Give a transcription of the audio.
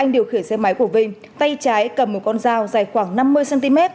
điều khiển xe máy của vinh tay trái cầm một con dao dài khoảng năm mươi cm